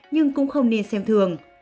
nhưng cũng không nên xem thường